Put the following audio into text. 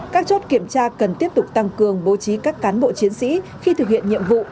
các chốt kiểm tra cần tiếp tục tăng cường bố trí các cán bộ chiến sĩ khi thực hiện nhiệm vụ